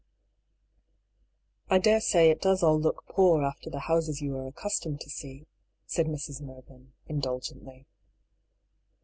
" I daresay it does all look poor after the houses you are accustomed to see," said Mrs. Mervyn, indulgently.